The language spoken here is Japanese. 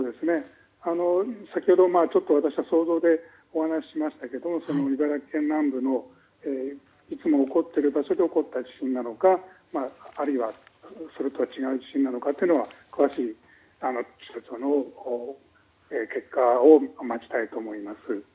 先ほど私が想像でお話ししましたけど茨城県南部のいつも起こっている場所で起こった地震なのかあるいは、それとは違う地震なのかというのは詳しい気象庁の結果を待ちたいと思います。